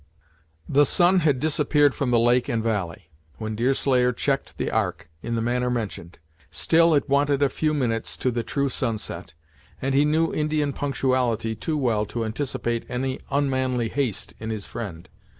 The sun had disappeared from the lake and valley, when Deerslayer checked the Ark, in the manner mentioned. Still it wanted a few minutes to the true sunset, and he knew Indian punctuality too well to anticipate any unmanly haste in his friend.